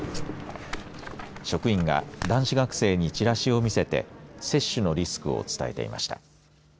職員が男子学生にチラシを見せて接種のリスクを伝えていました。